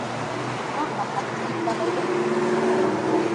kwamba katiba yetu inaruhusu